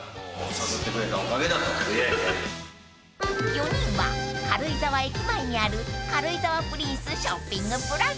［４人は軽井沢駅前にある軽井沢・プリンスショッピングプラザへ］